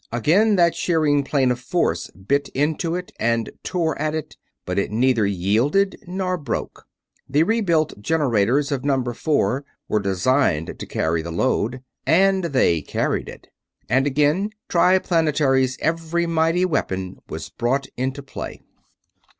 Again that shearing plane of force bit into it and tore at it, but it neither yielded nor broke. The rebuilt generators of Number Four were designed to carry the load, and they carried it. And again Triplanetary's every mighty weapon was brought into play.